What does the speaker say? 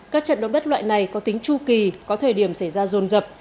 các trận động đất loại này có tính chu kỳ có thời điểm xảy ra rồn rập